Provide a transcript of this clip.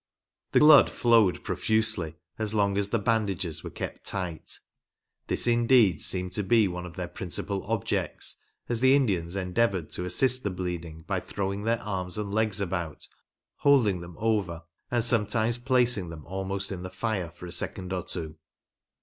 The blood flowed profusely, as long as the bandages were kept tight. This indeed, seemed to be one of their principal objects, as the Indian^ endeavoured to assist the bleeding by throwing their arms and legs about, holding them over, and sometimes placing them almost in the fire, for a second or two.